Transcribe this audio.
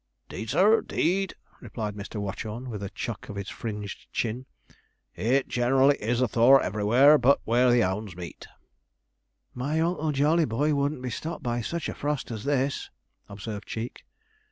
''Deed, sir, 'deed,' replied Mr. Watchorn, with a chuck of his fringed chin, 'it generally is a thaw everywhere but where hounds meet.' 'My Uncle Jollyboy wouldn't be stopped by such a frost as this,' observed Cheek.